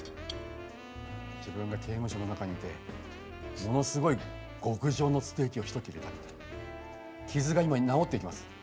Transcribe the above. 自分が刑務所の中にいてものすごい極上のステーキをひと切れ食べて傷が今に治っていきます。